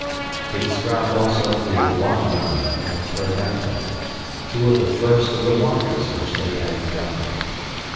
He described also the iguanodon and the pterodactyl two of the first of the wonders which they had encountered.